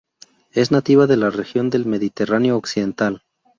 Es nativa de la región del Mediterráneo occidental.